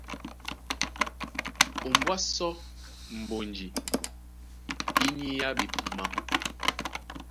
Ombwá sɔ́ mbonji í niyá ɓepumá.